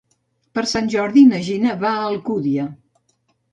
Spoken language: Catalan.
Per Sant Jordi na Gina va a l'Alcúdia.